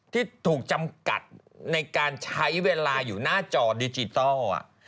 ที่ถูกจำกัดในการใช้เวลาอยู่หน้าจอดิจิทัล